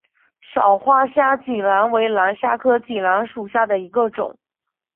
少花虾脊兰为兰科虾脊兰属下的一个种。